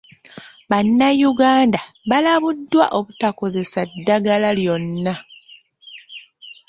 Bannayuganda balabuddwa obutakozesa ddagala lyonna.